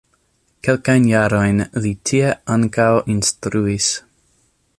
Kelkajn jarojn li tie ankaŭ instruis.